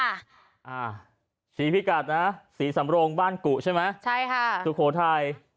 อ่าสีพิกัดนะศรีสำโรงบ้านกุใช่ไหมใช่ค่ะสุโขทัย